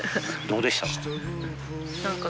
どうでしたか？